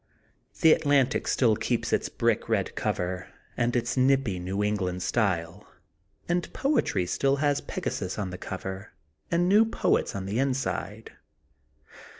The Atlantic still keeps its brick red cover and its nippy New England style and Poetry still has Pegasus on the cover and new poets on the inside.